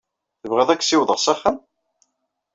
Tebɣiḍ ad k-ssiwḍeɣ s axxam?